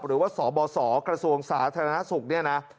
หรือว่าสบศกระทรวงศาสนธนศุกร์เนี่ยนะ